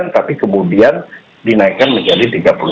tapi kemudian dinaikkan menjadi tiga puluh sembilan